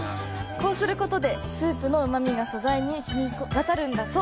こうすることで、スープのうまみが素材にしみわたるんだそう。